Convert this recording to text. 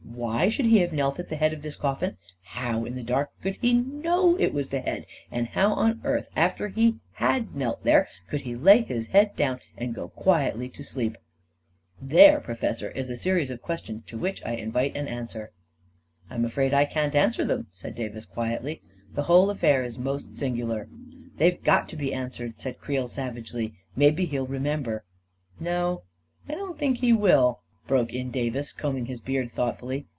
Why should he have knelt at the head of this coffin? How, in the dark, could he know that it was the head? And how on earth, after he had knelt there, could he lay his head down i A KING IN BABYLON 217 and go quietly to sleep ? There, Professor, is a series of questions to which I invite an answer." " I'm afraid I can't answer them," said Davis, quietly. " The whole affair is most singular." " They've got to be answered !" said Creel sav agely. " Maybe he'll remember •.." "No, I don't think he will," broken in Davis, combing his beard thoughtfully.